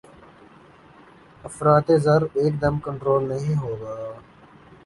افراط زر ایکدم کنٹرول نہیں ہوگا۔